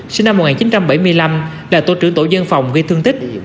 sinh năm một nghìn chín trăm bảy mươi năm là tổ trưởng tổ dân phòng gây thương tích